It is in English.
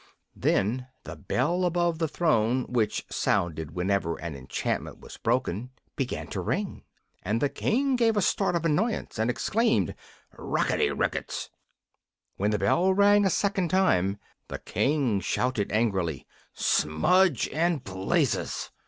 Then the bell above the throne, which sounded whenever an enchantment was broken, began to ring, and the King gave a start of annoyance and exclaimed, "Rocketty ricketts!" When the bell rang a second time the King shouted angrily, "Smudge and blazes!"